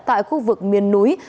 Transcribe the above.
tại khu vực miền núi